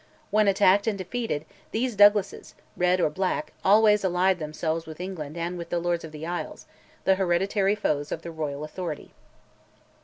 When attacked and defeated, these Douglases, red or black, always allied themselves with England and with the Lords of the Isles, the hereditary foes of the royal authority.